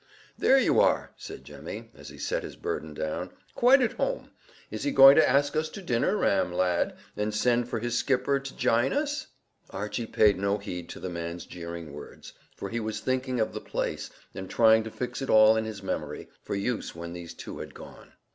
"There you are," said Jemmy, as he set his burden down; "quite at home. Is he going to ask us to dinner, Ram, lad, and send for his skipper to jyne us?" Archy paid no heed to the man's jeering words, for he was thinking of the place, and trying to fix it all in his memory, for use when these two had gone.